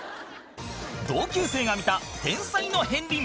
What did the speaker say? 同級生が見た天才の片鱗